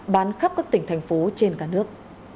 bán khắp các tỉnh thành phố trên cả nước